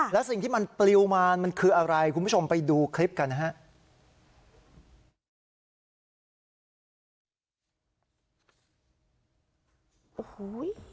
และสิ่งที่มันปลิวมามันคืออะไรคุณผู้ชมไปดูคลิปกันนะฮะ